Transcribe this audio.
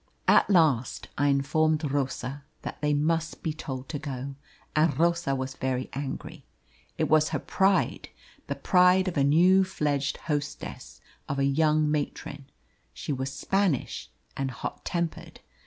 "At last I informed Rosa that they must be told to go, and Rosa was very angry. It was her pride the pride of a new fledged hostess, of a young matron. She was Spanish, and hot tempered.